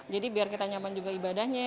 jadi biar kita nyaman juga ibadahnya